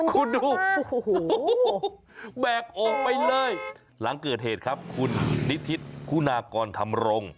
คุณดูแบกโอ่งไปเลยหลังเกิดเหตุครับคุณนิทฤษฐ์คุณากรธำรง